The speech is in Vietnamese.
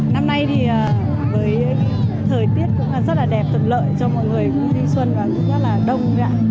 năm nay thì với thời tiết cũng rất là đẹp thật lợi cho mọi người cũng đi xuân và cũng rất là đông